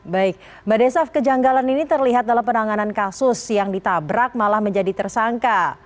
baik mbak desaf kejanggalan ini terlihat dalam penanganan kasus yang ditabrak malah menjadi tersangka